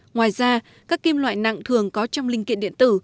ngoài ra các kim loại nặng thường có trong linh kiện điện tử